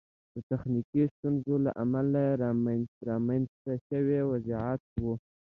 د تخنیکي ستونزو له امله رامنځته شوی وضعیت و.